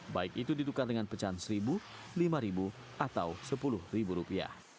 baik itu ditukar dengan pecahan satu ribu lima ribu atau sepuluh ribu rupiah